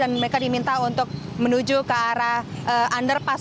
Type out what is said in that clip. dan mereka diminta untuk menuju ke arah underpass